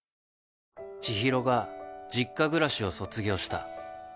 知博が実家暮らしを卒業した